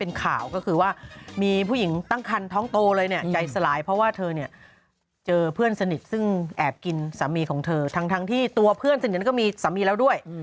เป็นข่าวก็คือว่ามีผู้หญิงตั้งคันท้องโตเลยเนี่ยใจสลายเพราะว่าเธอเนี่ยเจอเพื่อนสนิทซึ่งแอบกินสามีของเธอทั้งที่ตัวเพื่อนสนิทนั้นก็มีสามีแล้วด้วย